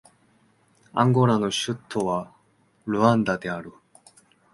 アンゴラの首都はルアンダである